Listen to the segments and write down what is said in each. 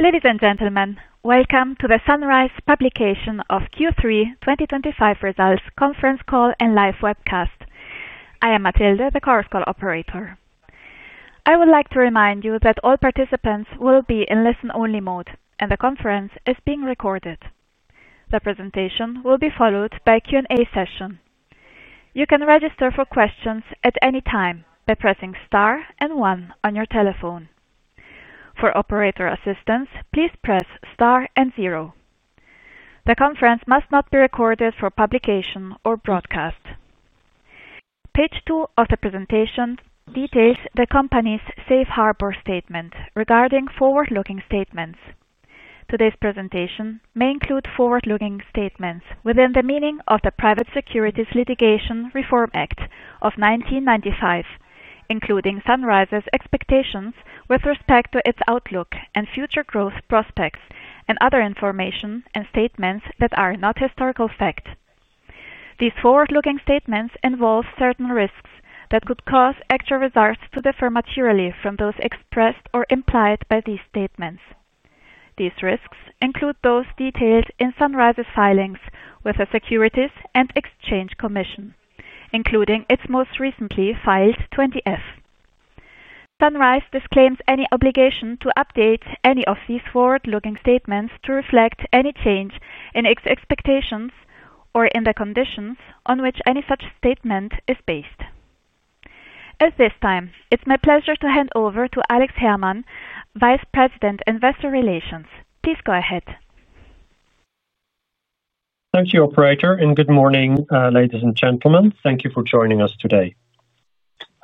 Ladies and gentlemen, welcome to the Sunrise Publication of Q3 2025 results conference call and live webcast. I am Matilda, the Chorus Call operator. I would like to remind you that all participants will be in listen-only mode, and the conference is being recorded. The presentation will be followed by a Q&A session. You can register for questions at any time by pressing star and one on your telephone. For operator assistance, please press star and zero. The conference must not be recorded for publication or broadcast. Page two of the presentation details the company's Safe Harbor Statement regarding forward-looking statements. Today's presentation may include forward-looking statements within the meaning of the Private Securities Litigation Reform Act of 1995, including Sunrise's expectations with respect to its outlook and future growth prospects, and other information and statements that are not historical fact. These forward-looking statements involve certain risks that could cause actual results to differ materially from those expressed or implied by these statements. These risks include those detailed in Sunrise's filings with the Securities and Exchange Commission, including its most recently filed 20-F. Sunrise disclaims any obligation to update any of these forward-looking statements to reflect any change in its expectations or in the conditions on which any such statement is based. At this time, it's my pleasure to hand over to Alex Herrmann, Vice President, Investor Relations. Please go ahead. Thank you, Operator, and good morning, ladies and gentlemen. Thank you for joining us today.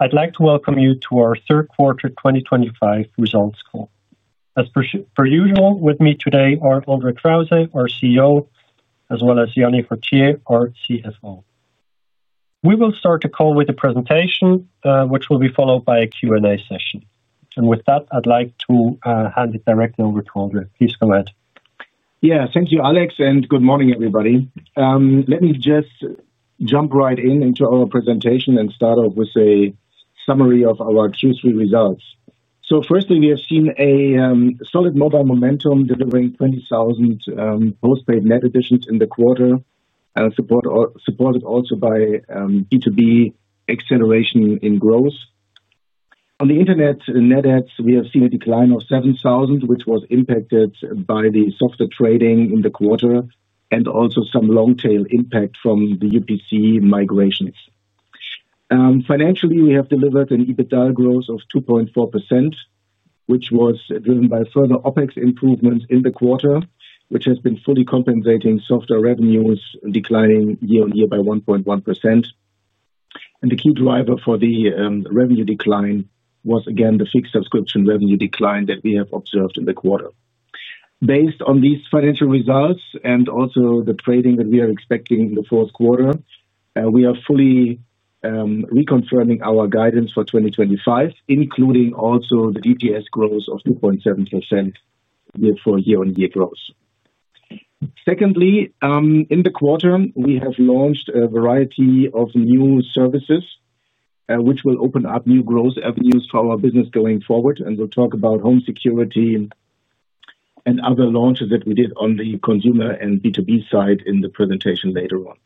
I'd like to welcome you to our third quarter 2025 results call. As per usual, with me today are André Krause, our CEO, as well as Jany Fruytier, our CFO. We will start the call with a presentation, which will be followed by a Q&A session. With that, I'd like to hand it directly over to André. Please go ahead. Yeah, thank you, Alex, and good morning, everybody. Let me just jump right in into our presentation and start off with a summary of our Q3 results. Firstly, we have seen a solid mobile momentum delivering 20,000 Postpaid net additions in the quarter, supported also by B2B acceleration in growth. On the internet and net adds, we have seen a decline of 7,000, which was impacted by the software trading in the quarter and also some long-tail impact from the UPC migrations. Financially, we have delivered an EBITDA growth of 2.4%, which was driven by further OpEx improvements in the quarter, which has been fully compensating software revenues declining year-on -ear by 1.1%. The key driver for the revenue decline was, again, the Fixed Subscription Revenue decline that we have observed in the quarter. Based on these financial results and also the trading that we are expecting in the fourth quarter, we are fully reconfirming our guidance for 2025, including also the DPS growth of 2.7% year-on-year growth. Secondly, in the quarter, we have launched a variety of new services, which will open up new growth avenues for our business going forward, and we will talk about home security and other launches that we did on the consumer and B2B side in the presentation later on.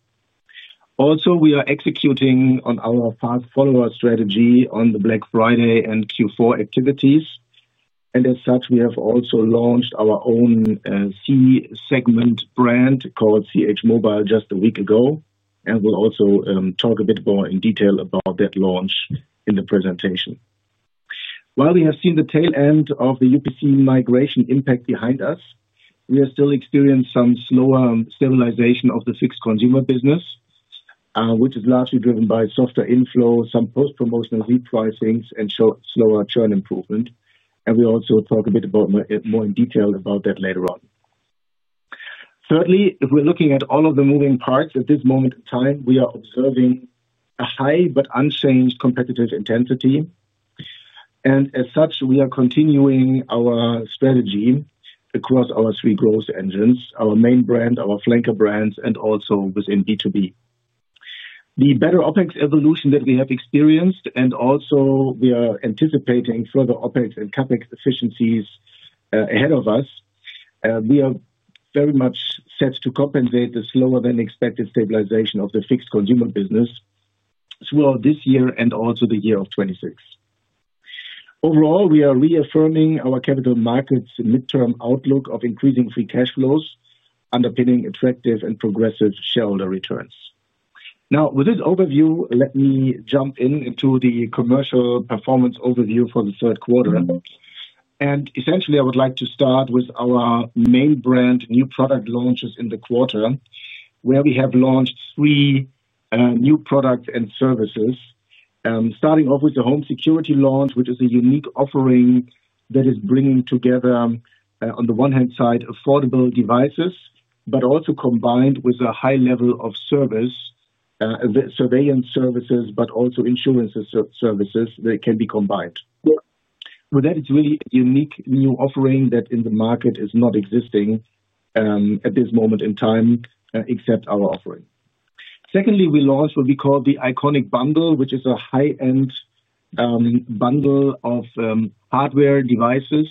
Also, we are executing on our fast follower strategy on the Black Friday and Q4 activities, and as such, we have also launched our own C-Segment brand called CHmobile just a week ago, and we will also talk a bit more in detail about that launch in the presentation. While we have seen the tail end of the UPC migration impact behind us, we are still experiencing some slower stabilization of the Fixed consumer business, which is largely driven by softer inflow, some post-promotional repricings, and slower churn improvement. We will also talk a bit more in detail about that later on. Thirdly, if we are looking at all of the moving parts at this moment in time, we are observing a high but unchanged competitive intensity, and as such, we are continuing our strategy across our three growth engines, our main brand, our flanker brands, and also within B2B. The better OpEx evolution that we have experienced, and also we are anticipating further OpEx and CapEx efficiencies ahead of us, we are very much set to compensate the slower than expected stabilization of the Fixed consumer business throughout this year and also the year of 2026. Overall, we are reaffirming our capital markets' midterm outlook of increasing free cash flows underpinning attractive and progressive shareholder returns. Now, with this overview, let me jump into the commercial performance overview for the third quarter. Essentially, I would like to start with our main brand new product launches in the quarter, where we have launched three new products and services, starting off with the Home Security launch, which is a unique offering that is bringing together, on the one hand side, affordable devices, but also combined with a high level of service, surveillance services, but also insurance services that can be combined. With that, it is really a unique new offering that in the market is not existing at this moment in time, except our offering. Secondly, we launched what we call the Iconic Bundle, which is a high-end bundle of hardware devices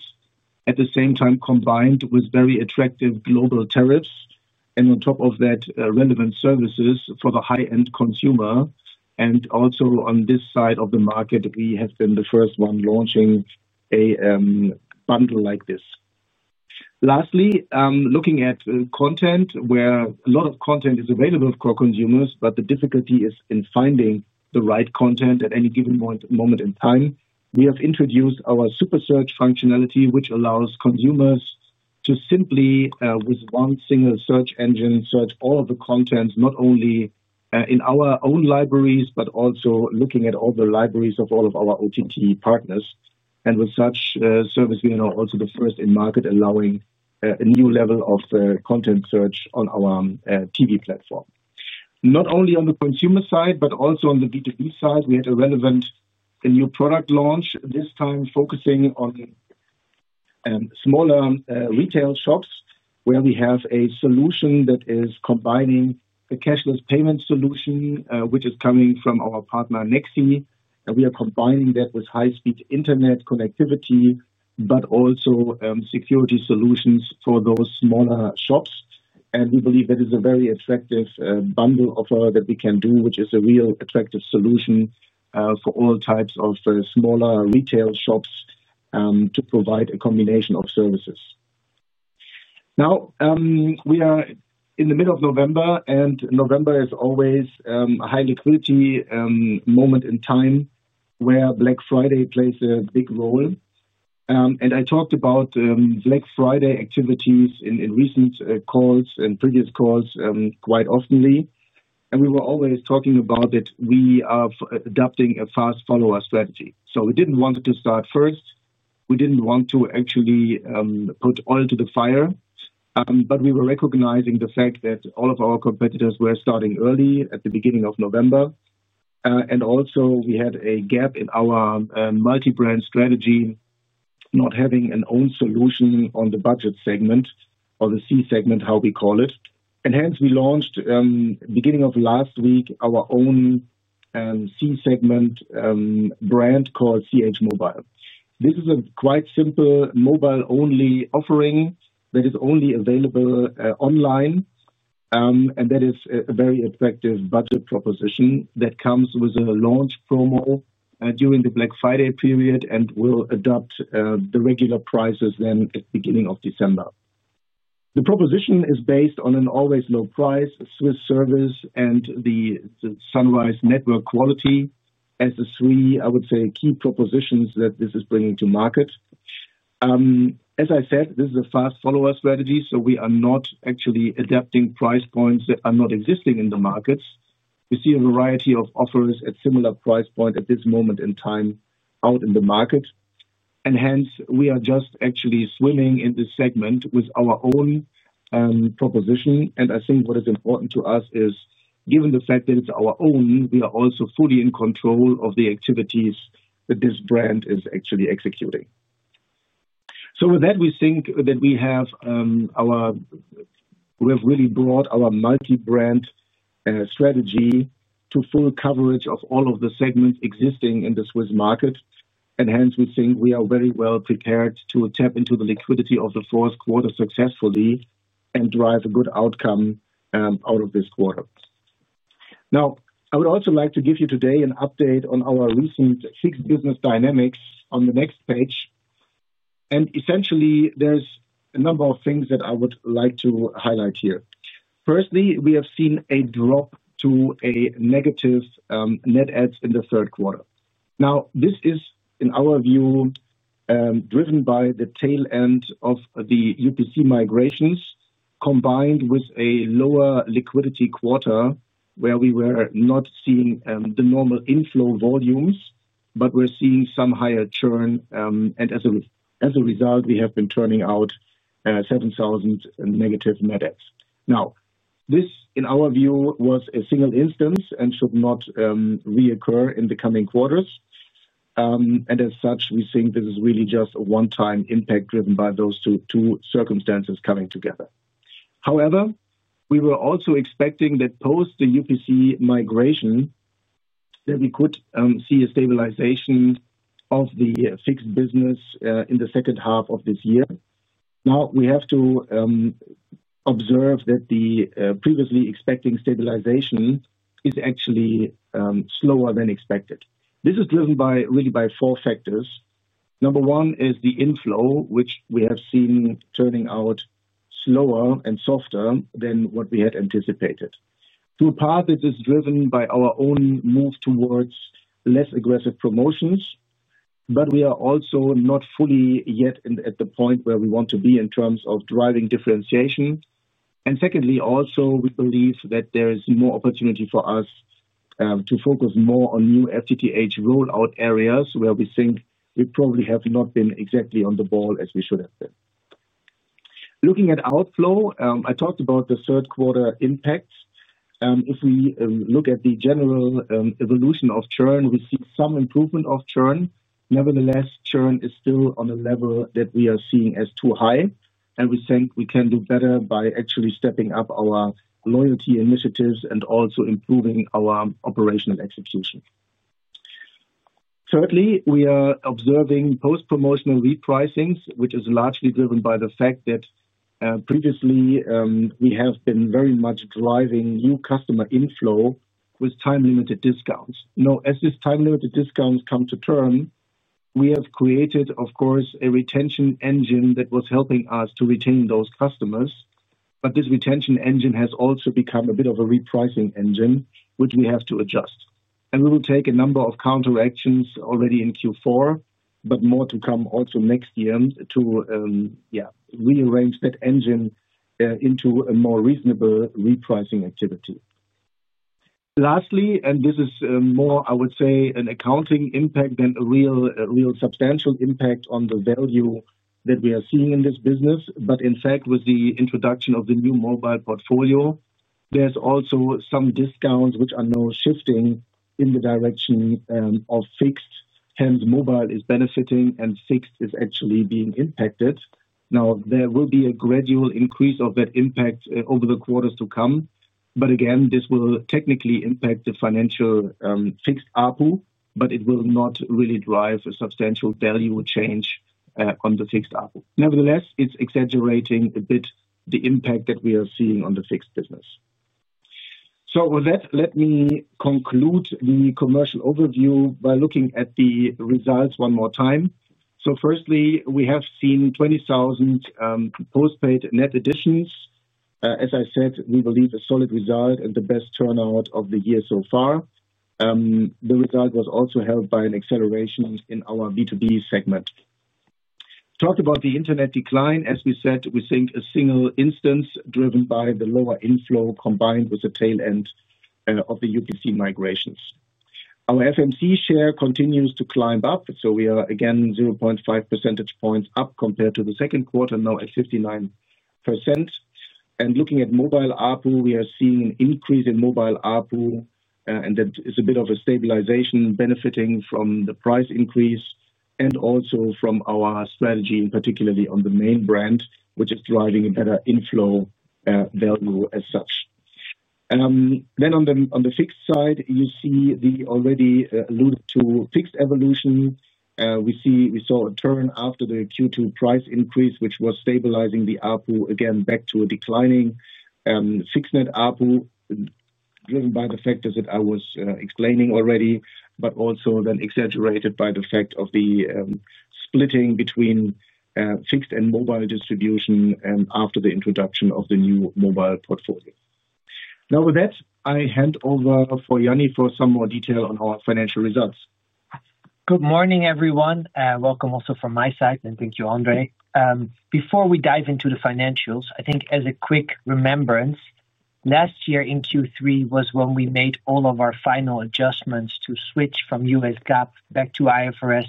at the same time combined with very attractive global tariffs, and on top of that, relevant services for the high-end consumer. Also on this side of the market, we have been the first one launching a bundle like this. Lastly, looking at content, where a lot of content is available for consumers, but the difficulty is in finding the right content at any given moment in time, we have introduced our SuperSearch functionality, which allows consumers to simply, with one single search engine, search all of the content, not only in our own libraries, but also looking at all the libraries of all of our OTT partners. With such service, we are also the first in market allowing a new level of content search on our TV platform. Not only on the consumer side, but also on the B2B side, we had a relevant new product launch, this time focusing on smaller retail shops, where we have a solution that is combining a cashless payment solution, which is coming from our partner, Nexi. We are combining that with high-speed internet connectivity, but also security solutions for those smaller shops. We believe that is a very attractive bundle offer that we can do, which is a real attractive solution for all types of smaller retail shops to provide a combination of services. Now, we are in the middle of November, and November is always a high liquidity moment in time, where Black Friday plays a big role. I talked about Black Friday activities in recent calls and previous calls quite often. We were always talking about that we are adopting a fast follower strategy. We did not want to start first. We did not want to actually put oil to the fire, but we were recognizing the fact that all of our competitors were starting early at the beginning of November. Also, we had a gap in our multi-brand strategy, not having an own solution on the Budget segment or the C-Segment, how we call it. Hence, we launched at the beginning of last week our own C-Segment brand called CHmobile. This is a quite simple mobile-only offering that is only available online, and that is a very attractive budget proposition that comes with a launch promo during the Black Friday period and will adopt the regular prices then at the beginning of December. The proposition is based on an always low price, Swiss Service, and the Sunrise network quality as the three, I would say, key propositions that this is bringing to market. As I said, this is a fast follower strategy, so we are not actually adapting price points that are not existing in the markets. We see a variety of offers at similar price points at this moment in time out in the market. Hence, we are just actually swimming in this segment with our own proposition. I think what is important to us is, given the fact that it's our own, we are also fully in control of the activities that this brand is actually executing. With that, we think that we have really brought our multi-brand strategy to full coverage of all of the segments existing in the Swiss market. Hence, we think we are very well prepared to tap into the liquidity of the fourth quarter successfully and drive a good outcome out of this quarter. I would also like to give you today an update on our recent Fixed business dynamics on the next page. Essentially, there are a number of things that I would like to highlight here. Firstly, we have seen a drop to a negative net adds in the third quarter. This is, in our view, driven by the tail end of the UPC migrations combined with a lower liquidity quarter, where we were not seeing the normal inflow volumes, but we were seeing some higher churn. As a result, we have been turning out 7,000 negative net adds. This, in our view, was a single instance and should not reoccur in the coming quarters. As such, we think this is really just a one-time impact driven by those two circumstances coming together. However, we were also expecting that post the UPC migration, that we could see a stabilization of the Fixed business in the second half of this year. Now, we have to observe that the previously expecting stabilization is actually slower than expected. This is driven really by four factors. Number one is the Inflow, which we have seen turning out slower and softer than what we had anticipated. To a part, this is driven by our own move towards less aggressive promotions, but we are also not fully yet at the point where we want to be in terms of driving differentiation. Secondly, also, we believe that there is more opportunity for us to focus more on new FTTH rollout areas, where we think we probably have not been exactly on the ball as we should have been. Looking at Outflow, I talked about the third quarter impacts. If we look at the general evolution of churn, we see some improvement of churn. Nevertheless, churn is still on a level that we are seeing as too high, and we think we can do better by actually stepping up our loyalty initiatives and also improving our operational execution. Thirdly, we are observing post-promotional repricings, which is largely driven by the fact that previously we have been very much driving new customer inflow with time-limited discounts. Now, as these time-limited discounts come to term, we have created, of course, a retention engine that was helping us to retain those customers. This retention engine has also become a bit of a repricing engine, which we have to adjust. We will take a number of counteractions already in Q4, but more to come also next year to rearrange that engine into a more reasonable repricing activity. Lastly, and this is more, I would say, an accounting impact than a real substantial impact on the value that we are seeing in this business, but in fact, with the introduction of the new mobile portfolio, there are also some discounts which are now shifting in the direction of Fixed. Hence, Mobile is benefiting and Fixed is actually being impacted. There will be a gradual increase of that impact over the quarters to come, but again, this will technically impact the financial Fixed ARPU, but it will not really drive a substantial value change on the Fixed ARPU. Nevertheless, it's exaggerating a bit the impact that we are seeing on the Fixed business. With that, let me conclude the commercial overview by looking at the results one more time. Firstly, we have seen 20,000 Postpaid net additions. As I said, we believe a solid result and the best turnout of the year so far. The result was also helped by an acceleration in our B2B segment. Talked about the internet decline. As we said, we think a single instance driven by the lower inflow combined with the tail end of the UPC migrations. Our FMC share continues to climb up, so we are again 0.5 percentage points up compared to the second quarter, now at 59%. Looking at Mobile ARPU, we are seeing an increase in Mobile ARPU, and that is a bit of a stabilization benefiting from the price increase and also from our strategy, particularly on the main brand, which is driving a better inflow value as such. On the Fixed side, you see the already alluded to Fixed evolution. We saw a turn after the Q2 price increase, which was stabilizing the ARPU again back to a declining Fixed net ARPU driven by the factors that I was explaining already, but also then exaggerated by the fact of the splitting between Fixed and Mobile distribution after the introduction of the new mobile portfolio. With that, I hand over to Jany for some more detail on our financial results. Good morning, everyone. Welcome also from my side, and thank you, André. Before we dive into the financials, I think as a quick remembrance, last year in Q3 was when we made all of our final adjustments to switch from U.S. GAAP back to IFRS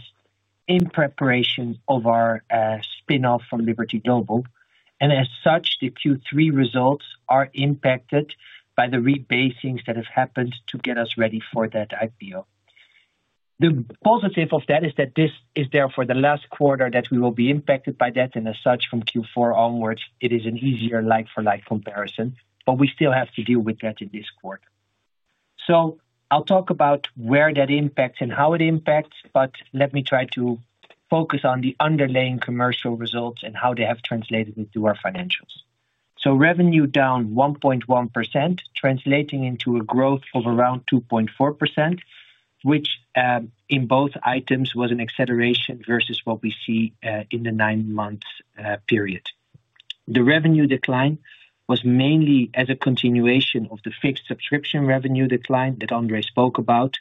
in preparation of our spinoff from Liberty Global. As such, the Q3 results are impacted by the rebasings that have happened to get us ready for that IPO. The positive of that is that this is therefore the last quarter that we will be impacted by that, and as such, from Q4 onwards, it is an easier like-for-like comparison, but we still have to deal with that in this quarter. I will talk about where that impacts and how it impacts, but let me try to focus on the underlying commercial results and how they have translated into our financials. Revenue down 1.1%, translating into a growth of around 2.4%, which in both items was an acceleration versus what we see in the nine-month period. The revenue decline was mainly as a continuation of the Fixed Subscription Revenue decline that André spoke about,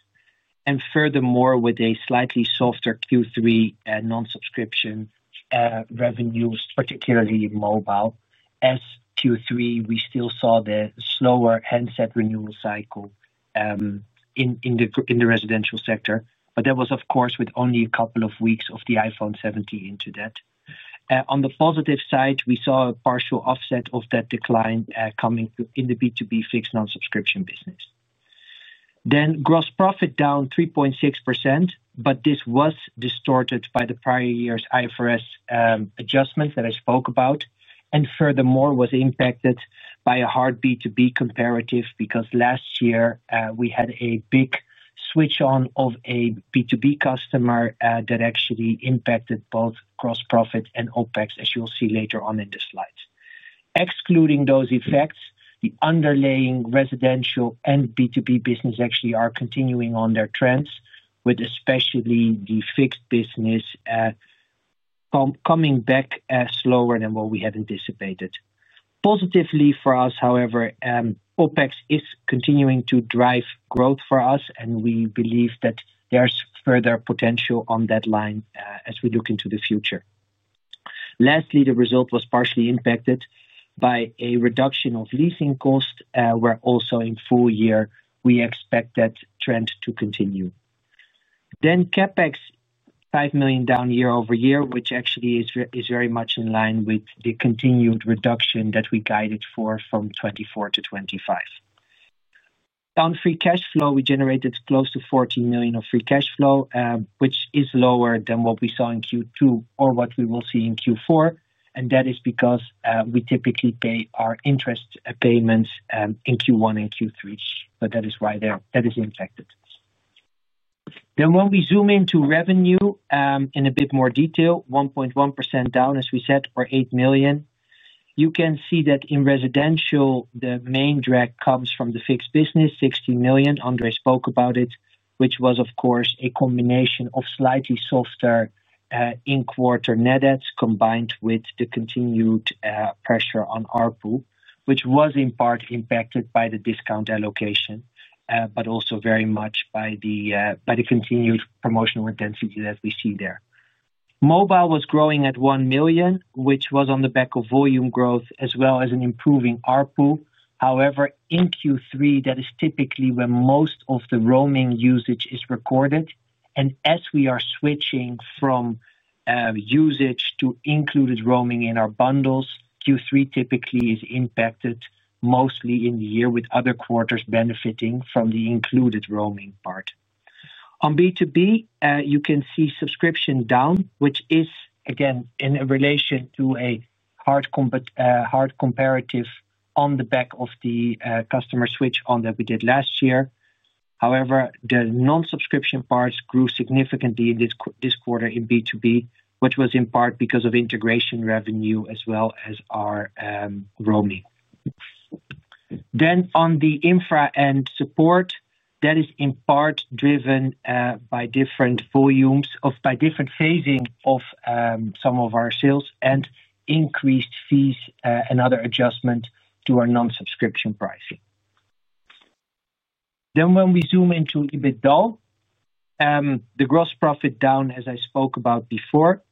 and furthermore, with a slightly softer Q3 non-subscription revenues, particularly Mobile. As Q3, we still saw the slower handset renewal cycle in the residential sector, but that was, of course, with only a couple of weeks of the iPhone 17 into that. On the positive side, we saw a partial offset of that decline coming in the B2B Fixed non-subscription business. Gross profit was down 3.6%, but this was distorted by the prior year's IFRS adjustment that I spoke about, and furthermore, was impacted by a hard B2B comparative because last year we had a big switch on of a B2B customer that actually impacted both gross profit and OpEx, as you'll see later on in the slides. Excluding those effects, the underlying residential and B2B business actually are continuing on their trends, with especially the Fixed business coming back slower than what we had anticipated. Positively for us, however, OpEx is continuing to drive growth for us, and we believe that there's further potential on that line as we look into the future. Lastly, the result was partially impacted by a reduction of leasing costs, where also in full year, we expect that trend to continue. CapEx, 5 million down year-over-year, which actually is very much in line with the continued reduction that we guided for from 2024 to 2025. Down free cash flow, we generated close to 14 million of free cash flow, which is lower than what we saw in Q2 or what we will see in Q4, and that is because we typically pay our interest payments in Q1 and Q3, but that is why that is impacted. When we zoom into revenue in a bit more detail, 1.1% down, as we said, or 8 million. You can see that in Residential, the main drag comes from the Fixed business, 60 million. André spoke about it, which was, of course, a combination of slightly softer in-quarter net adds combined with the continued pressure on ARPU, which was in part impacted by the discount allocation, but also very much by the continued promotional intensity that we see there. Mobile was growing at 1 million, which was on the back of volume growth as well as an improving ARPU. However, in Q3, that is typically where most of the roaming usage is recorded. As we are switching from usage to included roaming in our bundles, Q3 typically is impacted mostly in the year, with other quarters benefiting from the included roaming part. On B2B, you can see subscription down, which is, again, in relation to a hard comparative on the back of the customer switch on that we did last year. However, the non-subscription parts grew significantly this quarter in B2B, which was in part because of integration revenue as well as our roaming. On the Infra and Support, that is in part driven by different volumes of, by different phasing of some of our sales and increased fees and other adjustments to our non-subscription pricing. When we zoom into EBITDA, the gross profit down, as I spoke about before,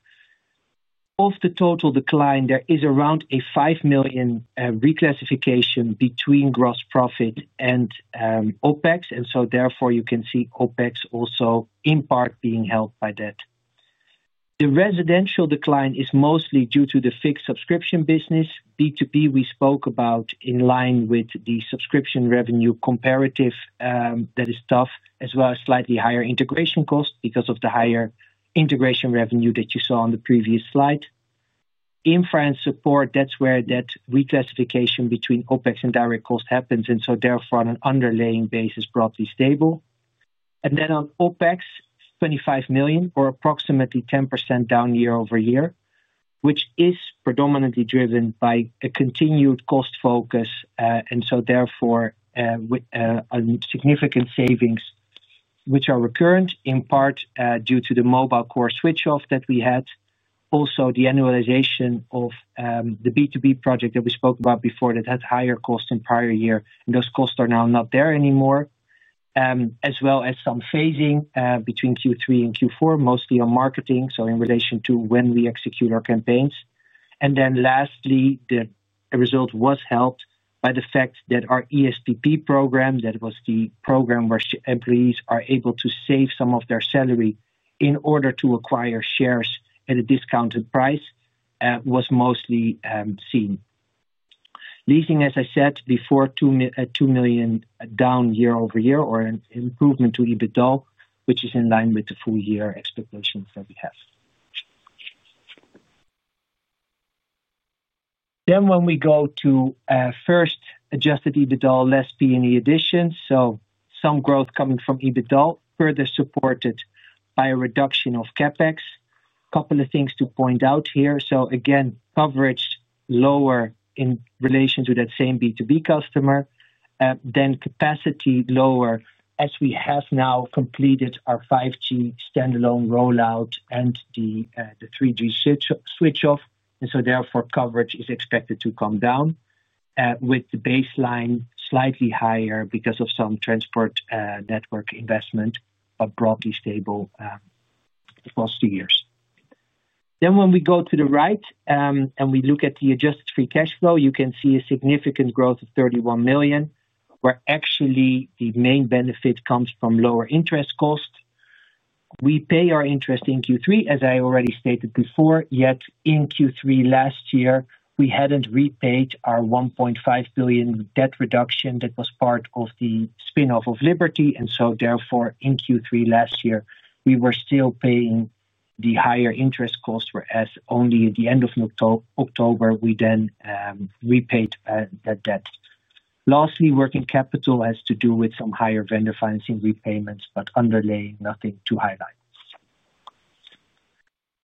of the total decline, there is around 5 million reclassification between gross profit and OpEx, and so therefore, you can see OpEx also in part being held by that. The residential decline is mostly due to the Fixed Subscription business. B2B, we spoke about in line with the subscription revenue comparative that is tough, as well as slightly higher integration costs because of the higher integration revenue that you saw on the previous slide. In France support, that's where that reclassification between OpEx and direct cost happens, and so therefore, on an underlying basis, broadly stable. On OpEx, 25 million or approximately 10% down year-ove- year, which is predominantly driven by a continued cost focus, and so therefore, significant savings, which are recurrent in part due to the mobile core switch-off that we had. Also, the annualization of the B2B project that we spoke about before that had higher costs in prior year, and those costs are now not there anymore, as well as some phasing between Q3 and Q4, mostly on marketing, in relation to when we execute our campaigns. Lastly, the result was helped by the fact that our ESPP program, that was the program where employees are able to save some of their salary in order to acquire shares at a discounted price, was mostly seen. Leasing, as I said before, 2 million down year-over-year or an improvement to EBITDA, which is in line with the full year expectations that we have. When we go to first adjusted EBITDA, less P&E additions, some growth coming from EBITDA, further supported by a reduction of CapEx. A couple of things to point out here. Again, coverage lower in relation to that same B2B customer. Capacity is lower as we have now completed our 5G standalone rollout and the 3G switch-off, and therefore, coverage is expected to come down with the baseline slightly higher because of some transport network investment, but broadly stable across the years. When we go to the right and we look at the adjusted free cash flow, you can see a significant growth of 31 million, where actually the main benefit comes from lower interest costs. We pay our interest in Q3, as I already stated before, yet in Q3 last year, we had not repaid our 1.5 billion debt reduction that was part of the spinoff of Liberty, and therefore, in Q3 last year, we were still paying the higher interest costs, whereas only at the end of October we then repaid that debt. Lastly, working capital has to do with some higher vendor financing repayments, but underlying nothing to highlight.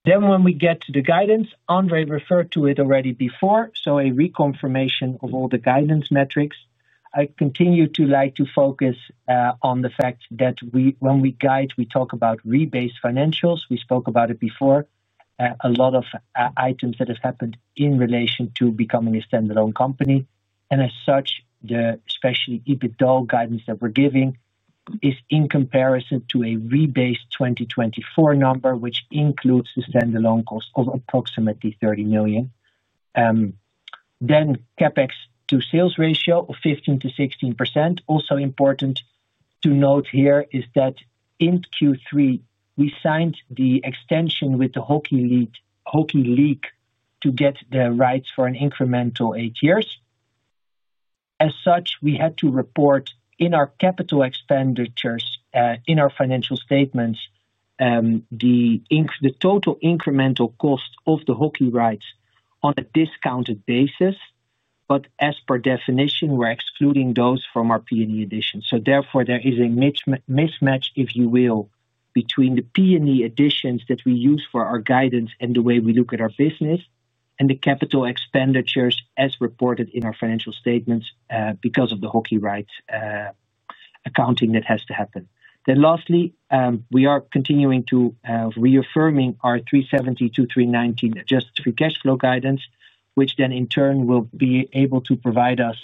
When we get to the guidance, André referred to it already before, so a reconfirmation of all the guidance metrics. I continue to like to focus on the fact that when we guide, we talk about rebase financials. We spoke about it before, a lot of items that have happened in relation to becoming a standalone company. As such, the especially EBITDA guidance that we're giving is in comparison to a rebase 2024 number, which includes the standalone cost of approximately 30 million. CapEx to sales ratio of 15%-16%. Also important to note here is that in Q3, we signed the extension with the Hockey League to get the rights for an incremental eight years. As such, we had to report in our capital expenditures, in our financial statements, the total incremental cost of the Hockey Rights on a discounted basis, but as per definition, we're excluding those from our P&E additions. Therefore, there is a mismatch, if you will, between the P&E additions that we use for our guidance and the way we look at our business and the capital expenditures as reported in our financial statements because of the Hockey Rights accounting that has to happen. Lastly, we are continuing to reaffirm our 370 million-390 million adjusted free cash flow guidance, which then in turn will be able to provide us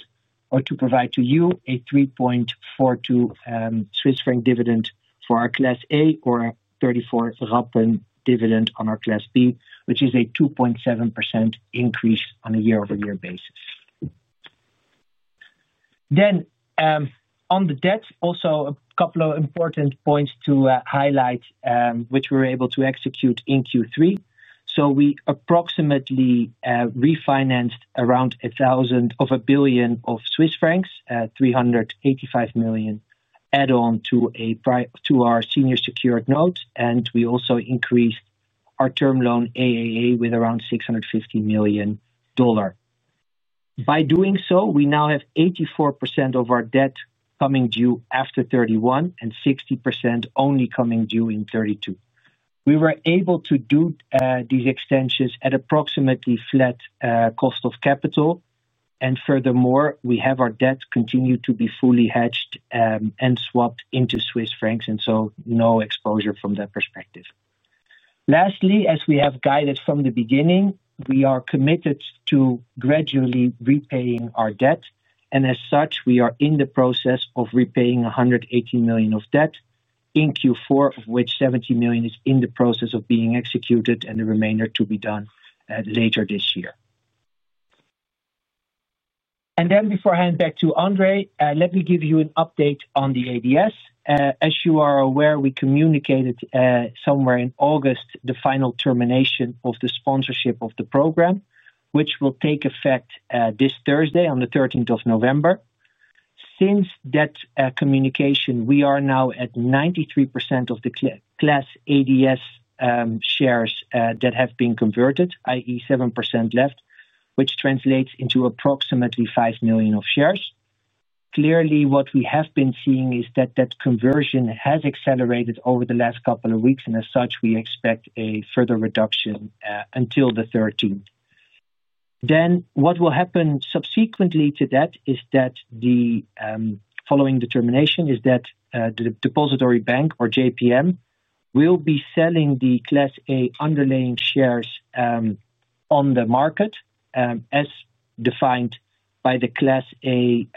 or to provide to you a 3.42 Swiss franc dividend for our Class A or 0.34 dividend on our Class B, which is a 2.7% increase on a year-over-year basis. On the debt, also a couple of important points to highlight, which we were able to execute in Q3. We approximately refinanced around 1 billion, Swiss francs 385 million add-on to our senior secured note, and we also increased our term loan AAA with around $650 million. By doing so, we now have 84% of our debt coming due after 2031 and 60% only coming due in 2032. We were able to do these extensions at approximately flat cost of capital, and furthermore, we have our debt continue to be fully hedged and swapped into Swiss francs, and so no exposure from that perspective. Lastly, as we have guided from the beginning, we are committed to gradually repaying our debt, and as such, we are in the process of repaying 180 million of debt in Q4, of which 70 million is in the process of being executed and the remainder to be done later this year. Before I hand back to André, let me give you an update on the ADS. As you are aware, we communicated somewhere in August the final termination of the sponsorship of the program, which will take effect this Thursday on the 13th of November. Since that communication, we are now at 93% of the Class ADS shares that have been converted, i.e., 7% left, which translates into approximately 5 million shares. Clearly, what we have been seeing is that conversion has accelerated over the last couple of weeks, and as such, we expect a further reduction until the 13th. What will happen subsequently to that is that the following determination is that the depository bank or JPM will be selling the Class A underlying shares on the market as defined by the Class A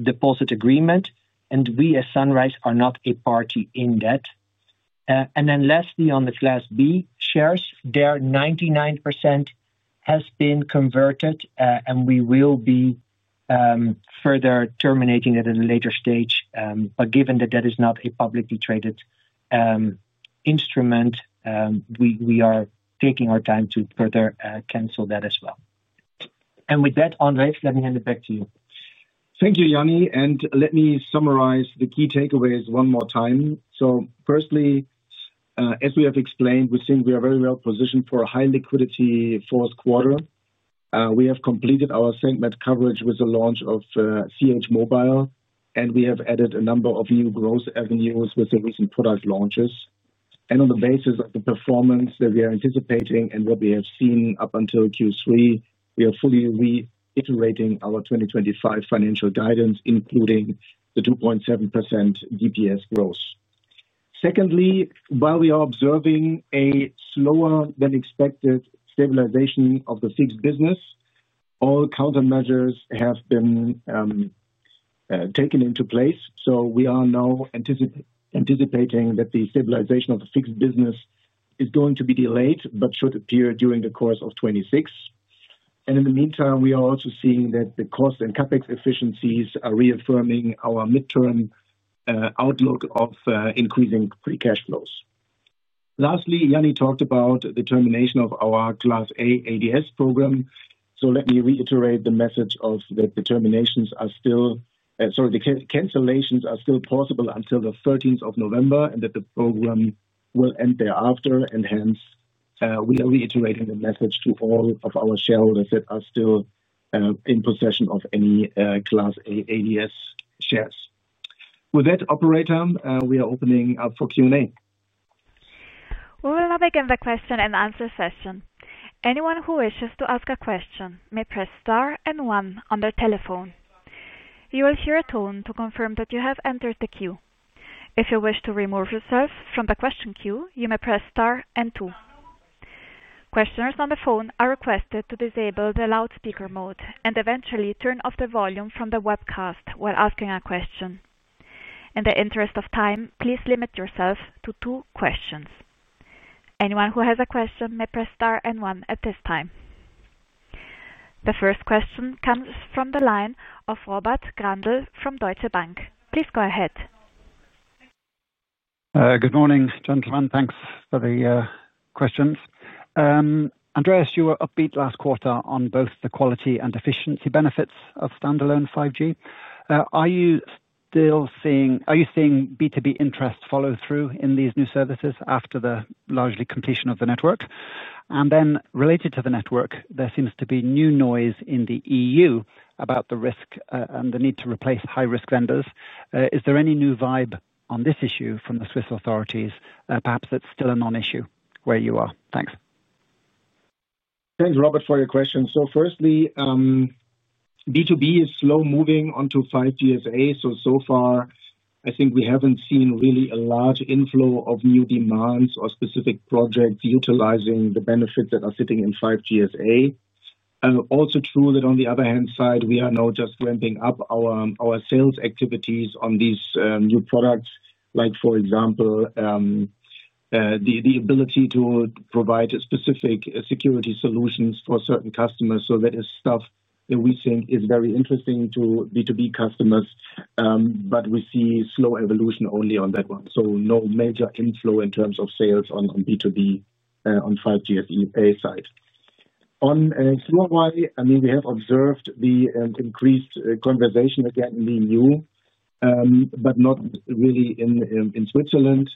deposit agreement, and we as Sunrise are not a party in that. Lastly, on the Class B shares, their 99% has been converted, and we will be further terminating it at a later stage, but given that that is not a publicly traded instrument, we are taking our time to further cancel that as well. With that, André, let me hand it back to you. Thank you, Jany, and let me summarize the key takeaways one more time. Firstly, as we have explained, we think we are very well positioned for a high liquidity fourth quarter. We have completed our segment coverage with the launch of CHmobile, and we have added a number of new growth avenues with the recent product launches. On the basis of the performance that we are anticipating and what we have seen up until Q3, we are fully reiterating our 2025 financial guidance, including the 2.7% DPS growth. Secondly, while we are observing a slower than expected stabilization of the Fixed business, all countermeasures have been taken into place. We are now anticipating that the stabilization of the Fixed business is going to be delayed, but should appear during the course of 2026. In the meantime, we are also seeing that the cost and CapEx efficiencies are reaffirming our midterm outlook of increasing free cash flows. Lastly, Jany talked about the termination of our Class A ADS program. Let me reiterate the message that the cancellations are still possible until the 13th of November and that the program will end thereafter, and hence we are reiterating the message to all of our shareholders that are still in possession of any Class A ADS shares. With that, Operator, we are opening up for Q&A. We will now begin the question and answer session. Anyone who wishes to ask a question may press star and one on their telephone. You will hear a tone to confirm that you have entered the queue. If you wish to remove yourself from the question queue, you may press star and two. Questioners on the phone are requested to disable the loudspeaker mode and eventually turn off the volume from the webcast while asking a question. In the interest of time, please limit yourself to two questions. Anyone who has a question may press star and one at this time. The first question comes from the line of Robert Grindle from Deutsche Bank. Please go ahead. Good morning, gentlemen. Thanks for the questions. André, you were upbeat last quarter on both the quality and efficiency benefits of standalone 5G. Are you still seeing, are you seeing B2B interest follow through in these new services after the largely completion of the network? Then related to the network, there seems to be new noise in the EU about the risk and the need to replace high-risk vendors. Is there any new vibe on this issue from the Swiss authorities, perhaps that's still a non-issue where you are? Thanks. Thanks, Robert, for your question. Firstly, B2B is slow moving onto 5G SA. So far, I think we haven't seen really a large inflow of new demands or specific projects utilizing the benefits that are sitting in 5G SA. Also true that on the other hand side, we are now just ramping up our sales activities on these new products, like for example, the ability to provide specific security solutions for certain customers. That is stuff that we think is very interesting to B2B customers, but we see slow evolution only on that one. No major inflow in terms of sales on B2B on 5G SA side. On Q&Y, I mean, we have observed the increased conversation again in the EU, but not really in Switzerland.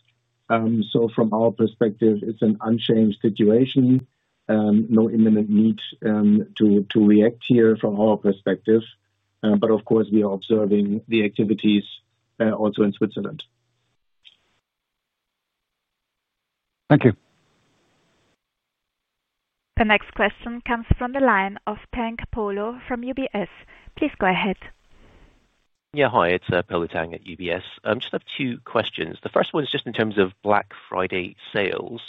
From our perspective, it's an unchanged situation. No imminent need to react here from our perspective. Of course, we are observing the activities also in Switzerland. Thank you. The next question comes from the line of Tang Polo from UBS. Please go ahead. Yeah, hi, it's Polo Tang at UBS. I just have two questions. The first one is just in terms of Black Friday sales.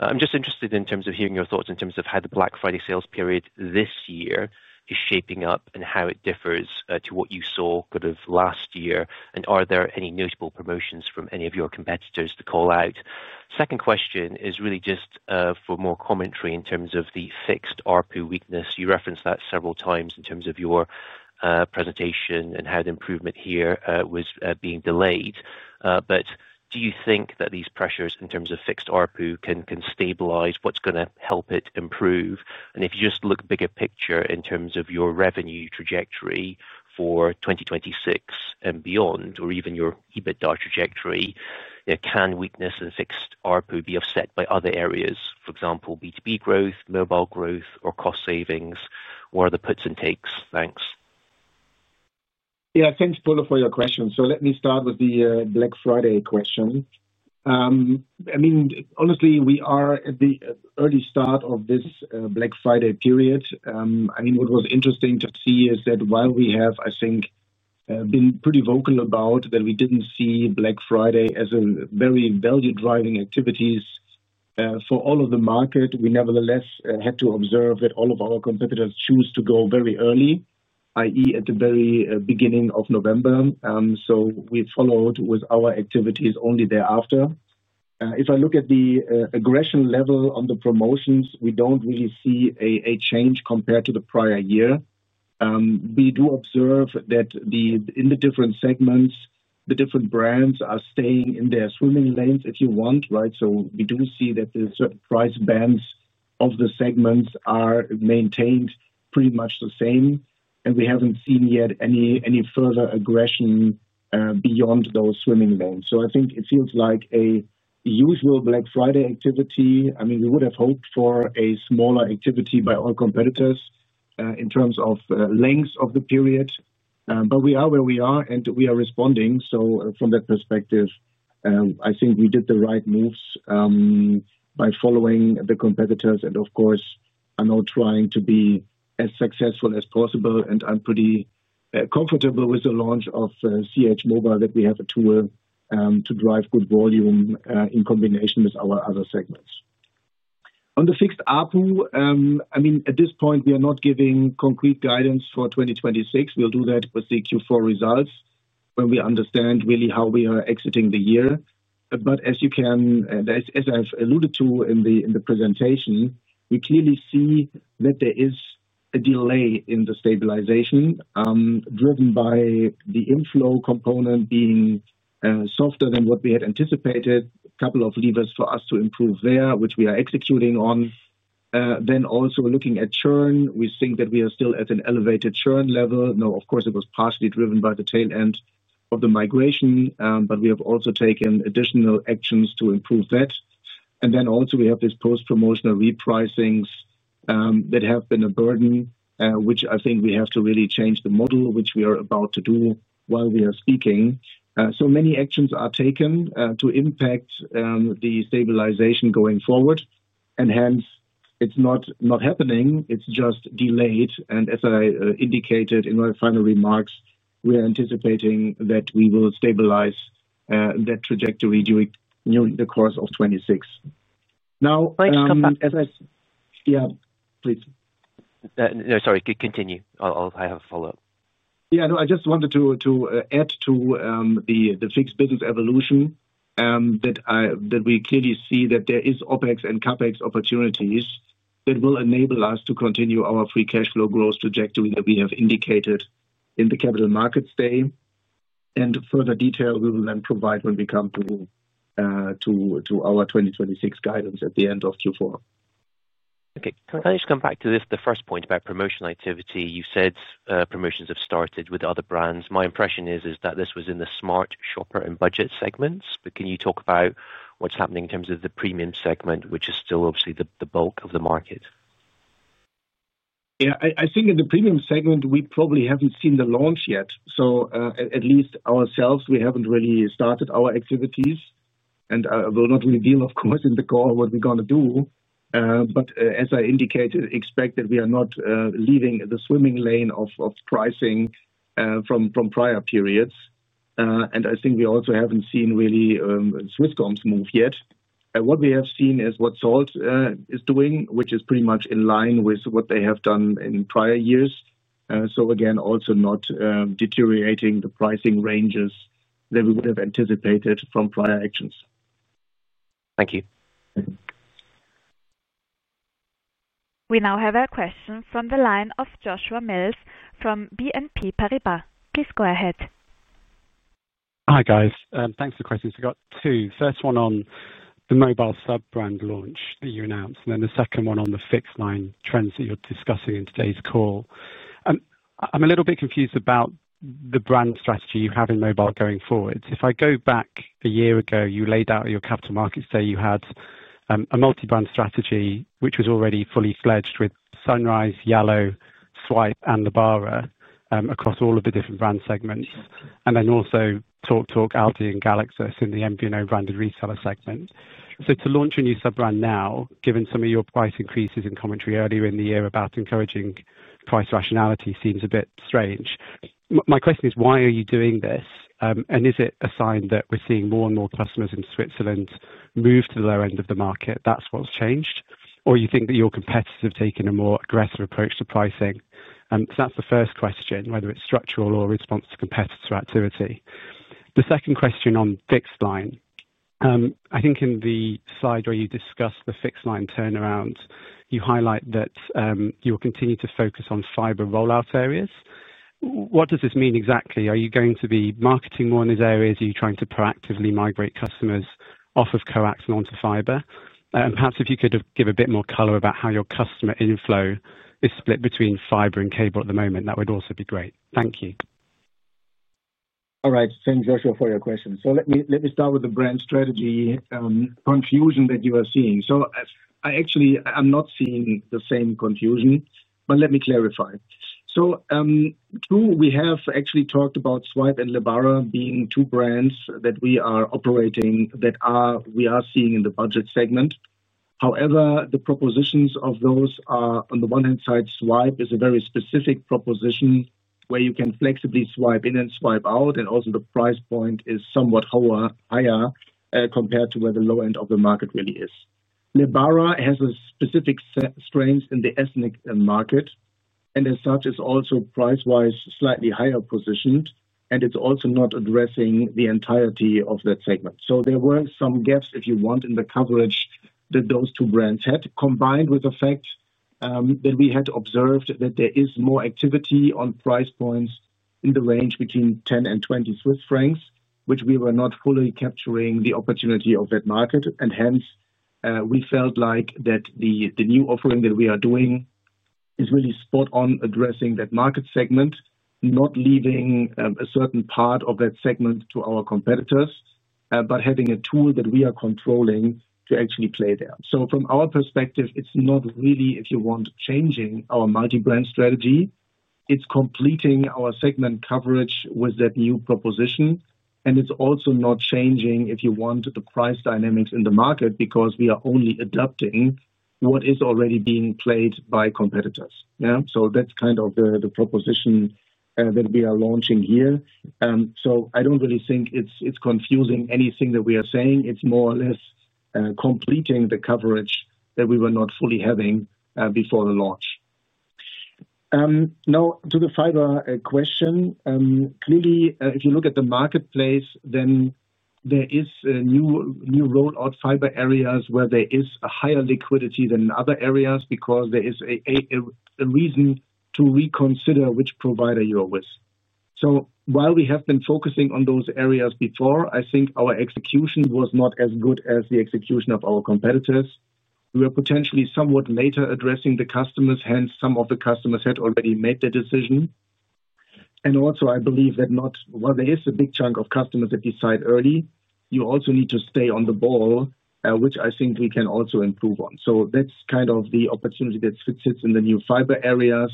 I'm just interested in terms of hearing your thoughts in terms of how the Black Friday sales period this year is shaping up and how it differs to what you saw kind of last year, and are there any notable promotions from any of your competitors to call out? Second question is really just for more commentary in terms of the Fixed ARPU weakness. You referenced that several times in terms of your presentation and how the improvement here was being delayed. Do you think that these pressures in terms of Fixed ARPU can stabilize, what's going to help it improve? If you just look bigger picture in terms of your revenue trajectory for 2026 and beyond, or even your EBITDA trajectory, can weakness in Fixed ARPU be offset by other areas, for example, B2B growth, Mobile growth, or cost savings? What are the puts and takes? Thanks. Yeah, thanks, Polo, for your question. Let me start with the Black Friday question. I mean, honestly, we are at the early start of this Black Friday period. I mean, what was interesting to see is that while we have, I think, been pretty vocal about that we did not see Black Friday as a very value-driving activity for all of the market, we nevertheless had to observe that all of our competitors choose to go very early, i.e., at the very beginning of November. We followed with our activities only thereafter. If I look at the aggression level on the promotions, we do not really see a change compared to the prior year. We do observe that in the different segments, the different brands are staying in their swimming lanes, if you want, right? We do see that the certain price bands of the segments are maintained pretty much the same, and we have not seen yet any further aggression beyond those swimming lanes. I think it feels like a usual Black Friday activity. I mean, we would have hoped for a smaller activity by our competitors in terms of length of the period, but we are where we are, and we are responding. From that perspective, I think we did the right moves by following the competitors, and of course, I am now trying to be as successful as possible, and I am pretty comfortable with the launch of CHmobile that we have a tool to drive good volume in combination with our other segments. On the Fixed ARPU, I mean, at this point, we are not giving concrete guidance for 2026. We'll do that with the Q4 results when we understand really how we are exiting the year. As I have alluded to in the presentation, we clearly see that there is a delay in the stabilization driven by the inflow component being softer than what we had anticipated, a couple of levers for us to improve there, which we are executing on. Also, looking at churn, we think that we are still at an elevated churn level. Of course, it was partially driven by the tail end of the migration, but we have also taken additional actions to improve that. We have these post-promotional repricings that have been a burden, which I think we have to really change the model, which we are about to do while we are speaking. Many actions are taken to impact the stabilization going forward, and hence it's not happening. It's just delayed. As I indicated in my final remarks, we are anticipating that we will stabilize that trajectory during the course of 2026. Now. Go ahead, Command. Yeah, please. No, sorry, continue. I have a follow-up. Yeah, no, I just wanted to add to the Fixed business evolution that we clearly see that there is OpEx and CapEx opportunities that will enable us to continue our free cash flow growth trajectory that we have indicated in the Capital Markets Day. Further detail we will then provide when we come to our 2026 guidance at the end of Q4. Okay, can I just come back to the first point about promotional activity? You said promotions have started with other brands. My impression is that this was in the Smart Shopper and Budget segments, but can you talk about what's happening in terms of the Premium segment, which is still obviously the bulk of the market? Yeah, I think in the Premium segment, we probably haven't seen the launch yet. At least ourselves, we haven't really started our activities, and I will not reveal, of course, in the call what we're going to do. As I indicated, expect that we are not leaving the swimming lane of pricing from prior periods. I think we also haven't seen really Swisscom's move yet. What we have seen is what Salt is doing, which is pretty much in line with what they have done in prior years. Again, also not deteriorating the pricing ranges that we would have anticipated from prior actions. Thank you. We now have a question from the line of Joshua Mills from BNP Paribas. Please go ahead. Hi guys. Thanks for the questions. I've got two. First one on the Mobile sub-brand launch that you announced, and then the second one on the Fixed line trends that you're discussing in today's call. I'm a little bit confused about the brand strategy you have in Mobile going forward. If I go back a year ago, you laid out your Capital Markets Day. You had a multi-brand strategy, which was already fully fledged with Sunrise, Yellow, Swipe, and Lebara across all of the different brand segments, and then also TalkTalk, Aldi, and Galaxus in the MVNO branded reseller segment. To launch a new sub-brand now, given some of your price increases and commentary earlier in the year about encouraging price rationality, seems a bit strange. My question is, why are you doing this? Is it a sign that we're seeing more and more customers in Switzerland move to the lower end of the market? That's what's changed? Do you think that your competitors have taken a more aggressive approach to pricing? That's the first question, whether it's structural or a response to competitor activity. The second question on Fixed line. I think in the slide where you discuss the Fixed line turnaround, you highlight that you will continue to focus on fiber rollout areas. What does this mean exactly? Are you going to be marketing more in these areas? Are you trying to proactively migrate customers off of Coax and onto fiber? Perhaps if you could give a bit more color about how your customer inflow is split between fiber and cable at the moment, that would also be great. Thank you. All right, thank you, Joshua, for your question. Let me start with the brand strategy confusion that you are seeing. I actually, I'm not seeing the same confusion, but let me clarify. We have actually talked about Swipe and Lebara being two brands that we are operating that we are seeing in the Budget segment. However, the propositions of those are, on the one hand side, Swipe is a very specific proposition where you can flexibly swipe in and swipe out, and also the price point is somewhat higher compared to where the low end of the market really is. Lebara has specific strengths in the ethnic market, and as such, it's also price-wise slightly higher positioned, and it's also not addressing the entirety of that segment. There were some gaps, if you want, in the coverage that those two brands had, combined with the fact that we had observed that there is more activity on price points in the range between 10 and 20 Swiss francs, which we were not fully capturing the opportunity of that market. Hence, we felt like that the new offering that we are doing is really spot on addressing that Market segment, not leaving a certain part of that segment to our competitors, but having a tool that we are controlling to actually play there. From our perspective, it's not really, if you want, changing our multi-brand strategy. It's completing our segment coverage with that new proposition, and it's also not changing, if you want, the price dynamics in the market because we are only adapting what is already being played by competitors. That's kind of the proposition that we are launching here. I don't really think it's confusing anything that we are saying. It's more or less completing the coverage that we were not fully having before the launch. Now, to the fiber question, clearly, if you look at the marketplace, then there is a new rollout fiber areas where there is a higher liquidity than in other areas because there is a reason to reconsider which provider you are with. While we have been focusing on those areas before, I think our execution was not as good as the execution of our competitors. We were potentially somewhat later addressing the customers, hence some of the customers had already made the decision. I believe that while there is a big chunk of customers that decide early, you also need to stay on the ball, which I think we can also improve on. That is kind of the opportunity that sits in the new fiber areas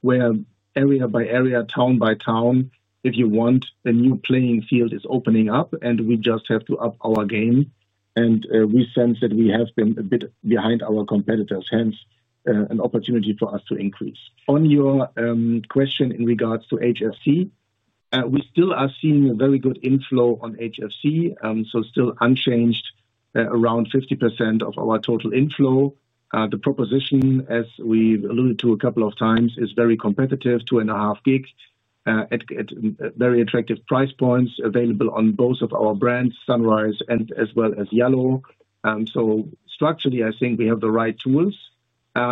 where area by area, town by town, if you want, the new playing field is opening up, and we just have to up our game. We sense that we have been a bit behind our competitors, hence an opportunity for us to increase. On your question in regards to HFC, we still are seeing a very good inflow on HFC, so still unchanged around 50% of our total inflow. The proposition, as we alluded to a couple of times, is very competitive, 2.5 GB at very attractive price points available on both of our brands, Sunrise and as well as Yellow. Structurally, I think we have the right tools,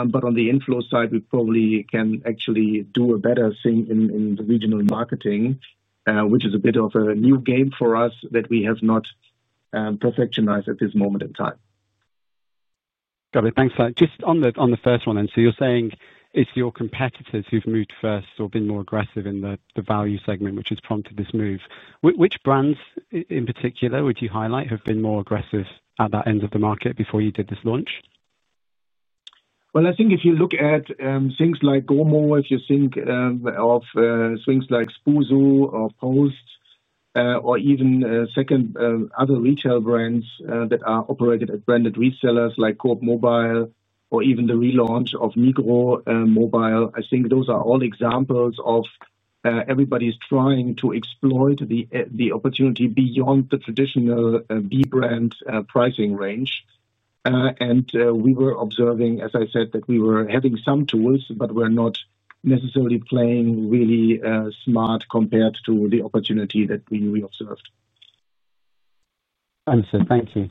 but on the inflow side, we probably can actually do a better thing in the regional marketing, which is a bit of a new game for us that we have not perfectionized at this moment in time. Got it. Thanks for that. Just on the first one then, so you're saying it's your competitors who've moved first or been more aggressive in the Value segment, which has prompted this move. Which brands in particular would you highlight have been more aggressive at that end of the market before you did this launch? I think if you look at things like GoMo, if you think of things like spusu or Post or even other retail brands that are operated at branded resellers like Coop Mobile or even the relaunch of Migros Mobile, I think those are all examples of everybody's trying to exploit the opportunity beyond the traditional B brand pricing range. We were observing, as I said, that we were having some tools, but we're not necessarily playing really smart compared to the opportunity that we observed. Understood. Thank you.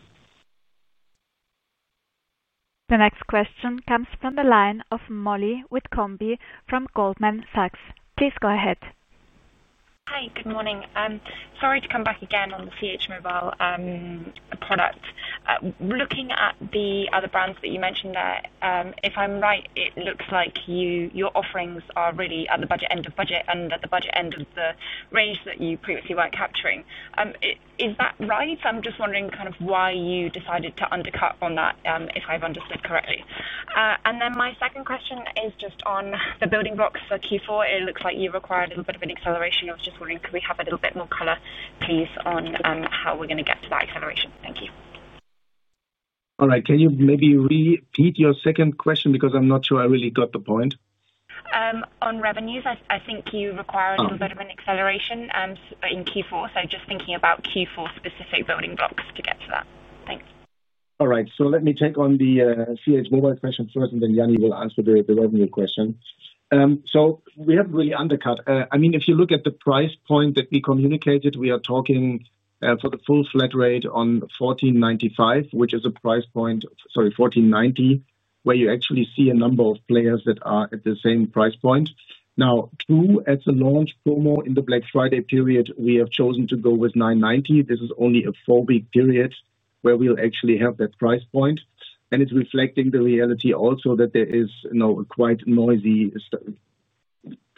The next question comes from the line of Molly Withcombe from Goldman Sachs. Please go ahead. Hi, good morning. Sorry to come back again on the CHmobile product. Looking at the other brands that you mentioned there, if I'm right, it looks like your offerings are really at the budget end of budget and at the budget end of the range that you previously were not capturing. Is that right? I'm just wondering kind of why you decided to undercut on that, if I've understood correctly. My second question is just on the building blocks for Q4. It looks like you require a little bit of an acceleration. I was just wondering, could we have a little bit more color, please, on how we're going to get to that acceleration? Thank you. All right. Can you maybe repeat your second question because I'm not sure I really got the point? On revenues, I think you require a little bit of an acceleration in Q4. Just thinking about Q4 specific building blocks to get to that. Thanks. All right. Let me take on the CHmobile question first, and then Jany will answer the revenue question. We have really undercut. I mean, if you look at the price point that we communicated, we are talking for the full flat rate on 14.95, which is a price point, sorry, 14.90, where you actually see a number of players that are at the same price point. Now, true, at the launch promo in the Black Friday period, we have chosen to go with 9.90. This is only a four-week period where we will actually have that price point. It is reflecting the reality also that there is quite a noisy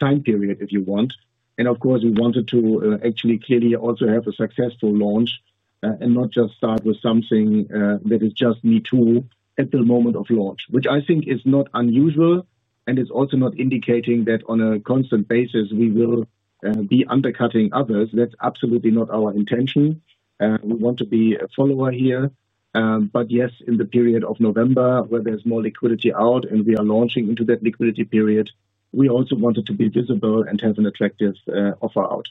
time period, if you want. Of course, we wanted to actually clearly also have a successful launch and not just start with something that is just me too at the moment of launch, which I think is not unusual. It is also not indicating that on a constant basis, we will be undercutting others. That is absolutely not our intention. We want to be a follower here. Yes, in the period of November, where there is more liquidity out and we are launching into that liquidity period, we also wanted to be visible and have an attractive offer out.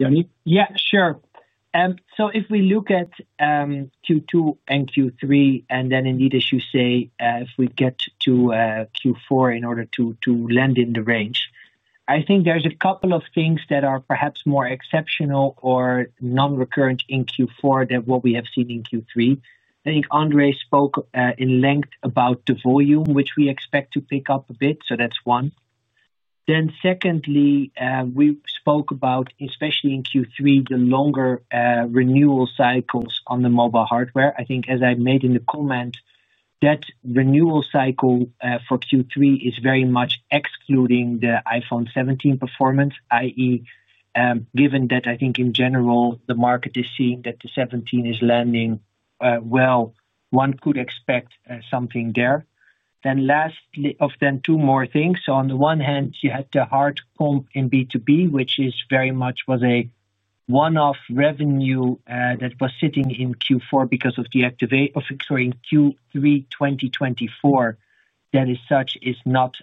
Jany? Yeah, sure. If we look at Q2 and Q3, and then indeed, as you say, if we get to Q4 in order to land in the range, I think there's a couple of things that are perhaps more exceptional or non-recurrent in Q4 than what we have seen in Q3. I think André spoke in length about the volume, which we expect to pick up a bit. That's one. Secondly, we spoke about, especially in Q3, the longer renewal cycles on the mobile hardware. I think, as I made in the comment, that renewal cycle for Q3 is very much excluding the iPhone 17 performance, i.e., given that I think in general, the market is seeing that the 17 is landing well, one could expect something there. Lastly, then two more things. On the one hand, you had the hard comp in B2B, which very much was a one-off revenue that was sitting in Q4 because of the activity of Q3 2024. That as such is not,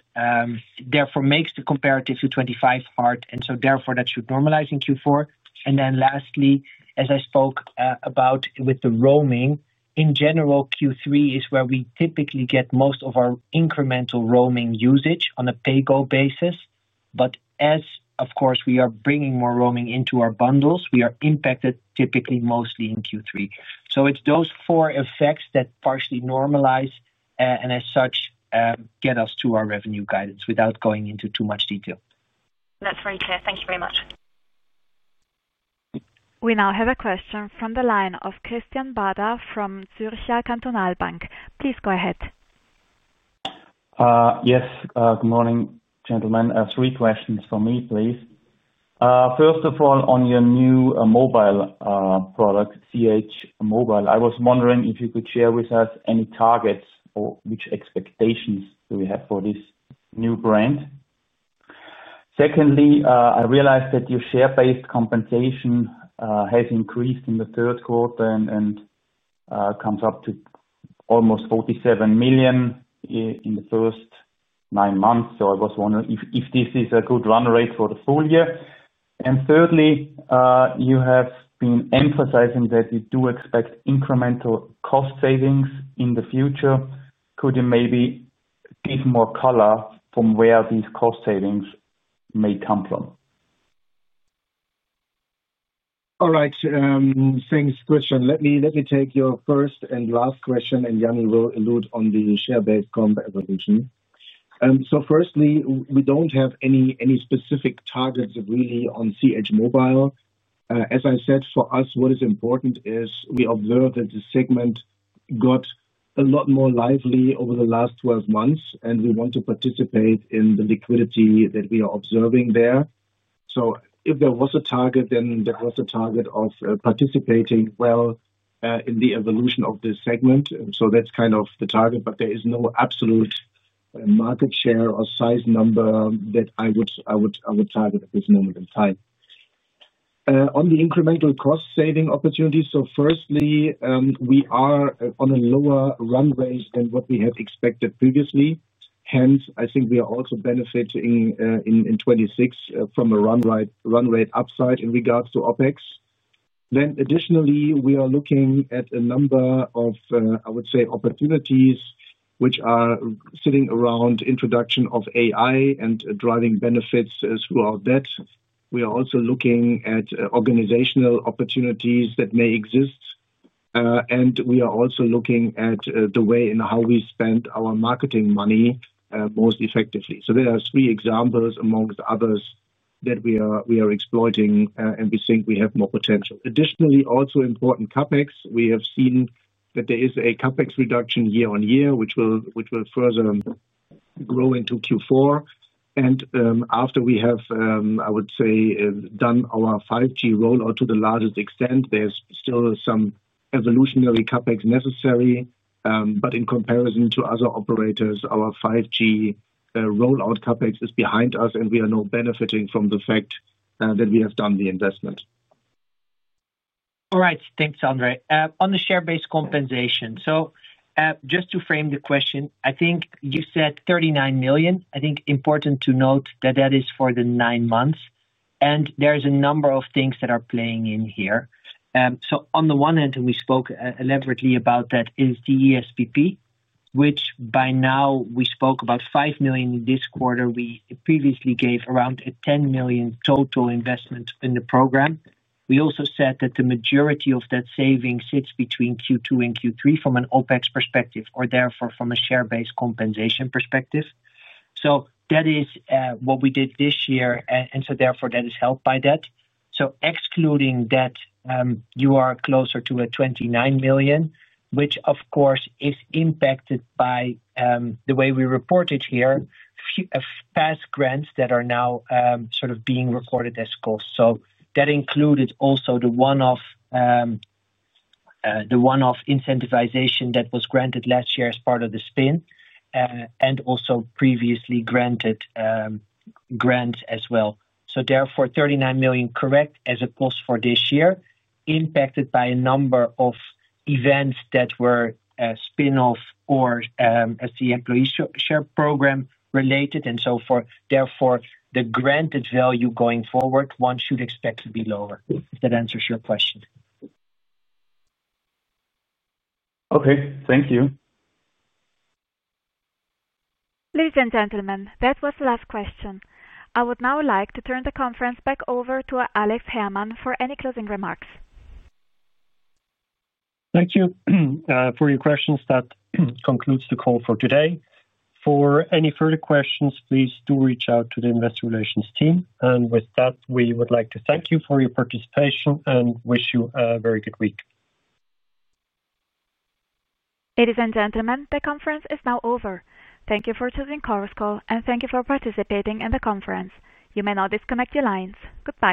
therefore makes the comparative to 2025 hard. Therefore, that should normalize in Q4. Lastly, as I spoke about with the roaming, in general, Q3 is where we typically get most of our incremental roaming usage on a pay-go basis. As we are bringing more roaming into our bundles, we are impacted typically mostly in Q3. It is those four effects that partially normalize and as such get us to our revenue guidance without going into too much detail. That's very clear. Thank you very much. We now have a question from the line of Christian Bader from Zürcher Kantonalbank. Please go ahead. Yes. Good morning, gentlemen. Three questions for me, please. First of all, on your new mobile product, CHmobile, I was wondering if you could share with us any targets or which expectations do we have for this new brand. Secondly, I realized that your share-based compensation has increased in the third quarter and comes up to almost 47 million in the first nine months. I was wondering if this is a good run rate for the full year. Thirdly, you have been emphasizing that you do expect incremental cost savings in the future. Could you maybe give more color from where these cost savings may come from? All right. Thanks, Christian. Let me take your first and last question, and Jany will allude on the share-based comp evolution. Firstly, we do not have any specific targets really on CHmobile. As I said, for us, what is important is we observe that the segment got a lot more lively over the last 12 months, and we want to participate in the liquidity that we are observing there. If there was a target, then there was a target of participating well in the evolution of this segment. That is kind of the target, but there is no absolute market share or size number that I would target at this moment in time. On the incremental cost saving opportunities, firstly, we are on a lower run rate than what we had expected previously. Hence, I think we are also benefiting in 2026 from a run rate upside in regards to OpEx. Additionally, we are looking at a number of, I would say, opportunities which are sitting around introduction of AI and driving benefits throughout that. We are also looking at organizational opportunities that may exist, and we are also looking at the way in how we spend our marketing money most effectively. There are three examples amongst others that we are exploiting, and we think we have more potential. Additionally, also important, CapEx. We have seen that there is a CapEx reduction year-on-year, which will further grow into Q4. After we have, I would say, done our 5G rollout to the largest extent, there is still some evolutionary CapEx necessary. In comparison to other operators, our 5G rollout CapEx is behind us, and we are now benefiting from the fact that we have done the investment. All right. Thanks, André. On the share-based compensation, so just to frame the question, I think you said 39 million. I think important to note that that is for the nine months, and there's a number of things that are playing in here. On the one hand, and we spoke elaborately about that, is the ESPP, which by now we spoke about 5 million this quarter. We previously gave around a 10 million total investment in the program. We also said that the majority of that saving sits between Q2 and Q3 from an OpEx perspective or therefore from a share-based compensation perspective. That is what we did this year, and therefore that is helped by that. Excluding that, you are closer to 29 million, which of course is impacted by the way we reported here, past grants that are now sort of being recorded as costs. That included also the one-off incentivization that was granted last year as part of the spin and also previously granted grants as well. Therefore, 39 million, correct, as a cost for this year, impacted by a number of events that were spin-off or as the employee share program related and so forth. Therefore, the granted value going forward, one should expect to be lower. If that answers your question. Okay. Thank you. Ladies and gentlemen, that was the last question. I would now like to turn the conference back over to Alex Herrmann for any closing remarks. Thank you for your questions. That concludes the call for today. For any further questions, please do reach out to the investor relations team. We would like to thank you for your participation and wish you a very good week. Ladies and gentlemen, the conference is now over. Thank you for choosing Chorus Call, and thank you for participating in the conference. You may now disconnect your lines. Goodbye.